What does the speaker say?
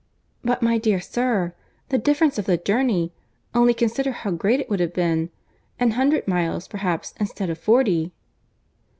"But, my dear sir, the difference of the journey;—only consider how great it would have been.—An hundred miles, perhaps, instead of forty."